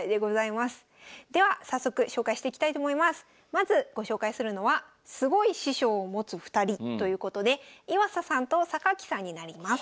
まずご紹介するのはすごい師匠を持つ２人ということで岩佐さんと榊さんになります。